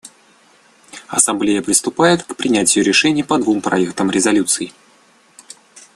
Ассамблея приступает к принятию решений по двум проектам резолюций.